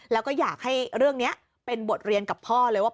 แล้วก็อยากให้เรื่องนี้เป็นบทเรียนกับพ่อเลยว่า